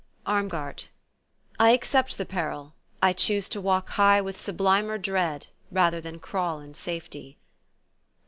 ARMGAKT :" I accept the peril ; J choose to walk high with sublimer dread Kather than crawl in safety."